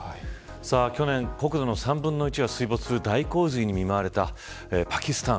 去年、国土の３分の１が水没する大洪水に見舞われたパキスタン。